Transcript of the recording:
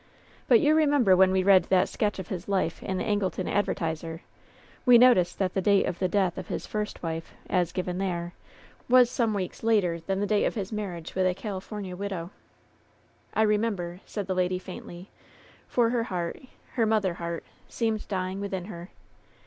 But you remember when we read that sketch of his life in the Angleton Advertiser, we noticed that the date of the death of his first wife, as given there, was some weeks later than the date of his marriage with the California widow." "I remember," said the lady, faintly, for her heart, her mother heart, seemed dying within her.